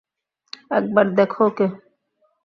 একবার দেখো ওকে!